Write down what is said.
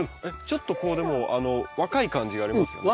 ちょっとこうでも若い感じがありますね。